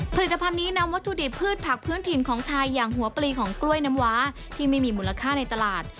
ผลิตภัณฑ์นี้นำวัตถุดิบพืชผักพื้นถิ่นของไทยอย่างหัวปลีของกล้วยน้ำว้าที่ไม่มีมูลค่าในตลาด